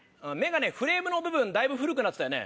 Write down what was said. フレームの部分古くなってたよね